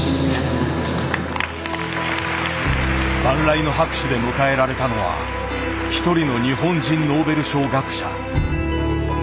万雷の拍手で迎えられたのは一人の日本人ノーベル賞学者。